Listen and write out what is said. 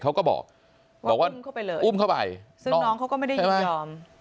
เขาก็บอกบอกว่าอุ้มเข้าไปซึ่งน้องเขาก็ไม่ได้ยินยอม